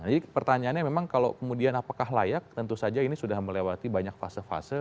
jadi pertanyaannya memang kalau kemudian apakah layak tentu saja ini sudah melewati banyak fase fase